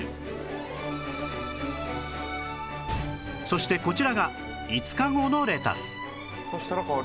そしてこちらが５日後のレタス